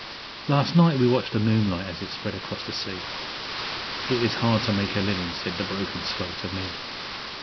Last night we watched the moonlight as it spread across the sea 'It is hard to make a livin',' said the broken swell to me.